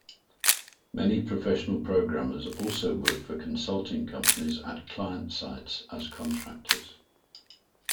Many professional programmers also work for consulting companies at client sites as contractors.